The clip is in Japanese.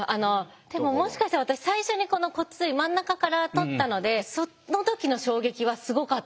でももしかして私最初にこの骨髄真ん中から取ったのでその時の衝撃はすごかったんですよ。